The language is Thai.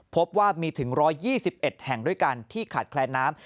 พบว่ามีถึง๑๒๑แห่งด้วยกันที่ขาดแคลนน้ำ